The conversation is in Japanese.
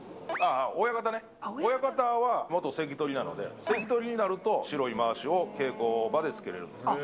親方ね、親方は元関取なので、関取になると白いまわしを稽古場でつけれるんです。